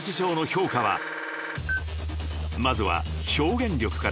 ［まずは表現力から］